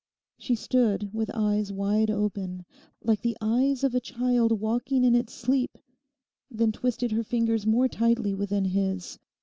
She stood with eyes wide open, like the eyes of a child walking in its sleep; then twisted her fingers more tightly within his.